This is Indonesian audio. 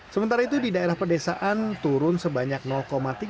sementara itu di daerah pedesaan turun sebanyak tiga puluh sembilan juta orang